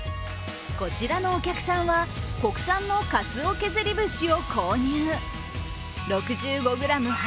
こちらのお客さんは国産のかつお削り節を購入。